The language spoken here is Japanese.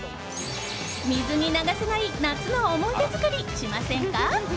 水に流せない夏の思い出作りしませんか？